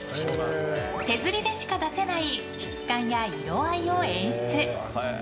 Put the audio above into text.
手刷りでしか出せない質感や色合いを演出。